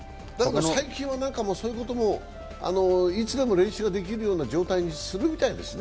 最近は、いつでも練習できるような状態にするみたいですね。